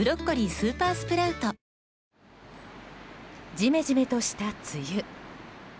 ジメジメとした梅雨。